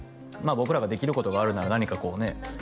僕らができることがあるなら何かこうね